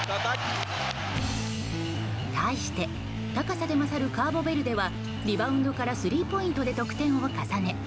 対して高さで勝るカーボベルデはリバウンドからスリーポイントで得点を重ね